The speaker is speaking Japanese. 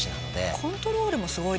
コントロールもすごいですよね。